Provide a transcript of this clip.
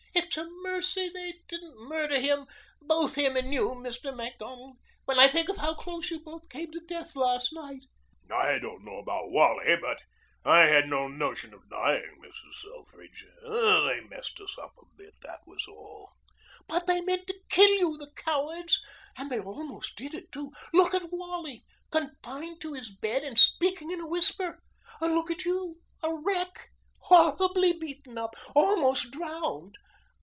It's a mercy they didn't murder both him and you, Mr. Macdonald. When I think of how close you both came to death last night " "I don't know about Wally, but I had no notion of dying, Mrs. Selfridge. They mussed us up a bit. That was all." "But they meant to kill you, the cowards. And they almost did it too. Look at Wally confined to his bed and speaking in a whisper. Look at you a wreck, horribly beaten up, almost drowned.